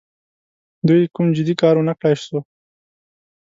دوی کوم جدي کار ونه کړای سو.